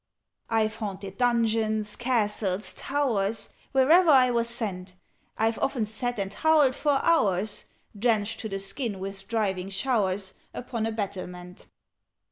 "I've haunted dungeons, castles, towers Wherever I was sent: I've often sat and howled for hours, Drenched to the skin with driving showers, Upon a battlement.